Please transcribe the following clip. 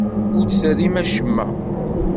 Ur d-terrim acemma.